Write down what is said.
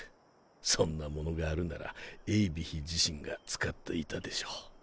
そんなものがあるならエーヴィヒ自身が使っていたでしょう。